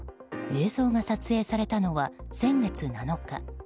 映像が撮影されたのは先月７日。